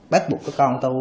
bắt buộc cái con tôi